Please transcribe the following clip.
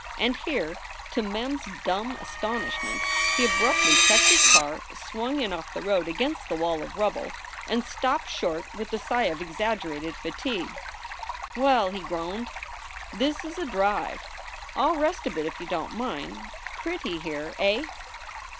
And here, to Mem s dumb astonish ment, he abruptly checked his car, swung in off the road against the wall of rubble, and stopped short with a sigh of exaggerated fatigue. "Well," he groaned, "this is a drive! I ll rest a bit if you don t mind. Pretty here, eh?"